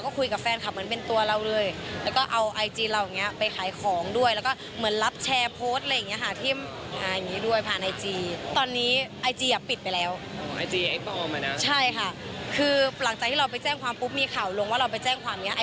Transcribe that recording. คือหลังจากที่เราไปแจ้งความปุ๊บมีข่าวลงว่าเราไปแจ้งความอย่างเนี้ย